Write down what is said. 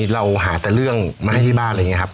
เราหาแต่เรื่องมาให้ที่บ้านอะไรอย่างนี้ครับ